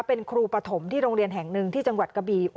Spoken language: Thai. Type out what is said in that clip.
เป็นครูปฐมที่โรงเรียนแห่งหนึ่งที่จังหวัดกะบี